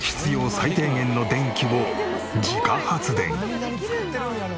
最低限の電気を自家発電。